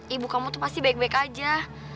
ibu kamu tuh pasti baik baik aja